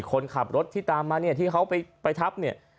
คนขับรถที่ตามมาเนี่ยที่เขาไปทับเนี่ย